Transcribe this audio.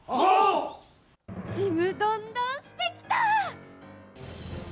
ちむどんどんしてきた！